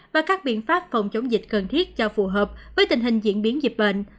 và các biện pháp phòng chống dịch cần thiết cho phù hợp với tình hình diễn biến dịch bệnh